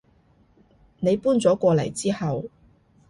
你搬咗過嚟之後